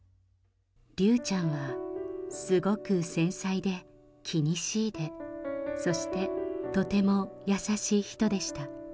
竜ちゃんは、すごく繊細で気にしいで、そしてとても優しい人でした。